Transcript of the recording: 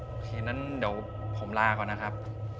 โอเคงั้นเดี๋ยวผมลาก่อนนะครับ